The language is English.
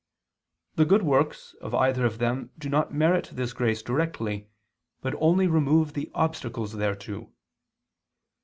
The good works of either of them do not merit this grace directly, but only remove the obstacles thereto.